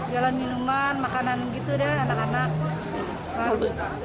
jualan minuman makanan gitu anak anak